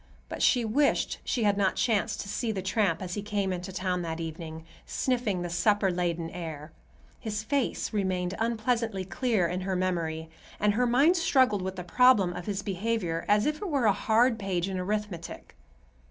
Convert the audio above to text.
But she wished she had not chanced to see the tramp as he came into town that evening, sniffing the supper laden air. His face remained unpleasantly clear in her memory, and her mind struggled with the problem of his behavior as if it were a hard page in arithmetic.